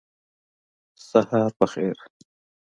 سهار په خیر !